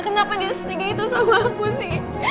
kenapa dia setinggi itu sama aku sih